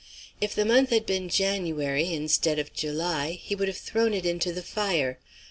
If the month had been January instead of July, he would have thrown it into the fire.